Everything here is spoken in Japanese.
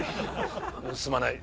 すまない。